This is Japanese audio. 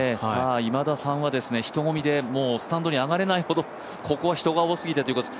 今田さんは人混みでもうスタンドに上がれないほど、ここは人が多過ぎてということで。